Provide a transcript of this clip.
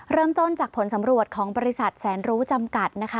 เริ่มต้นจากผลสำรวจของบริษัทแสนรู้จำกัดนะคะ